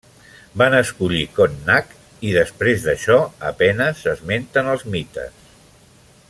Van escollir Connacht i després d'això a penes s'esmenten als mites.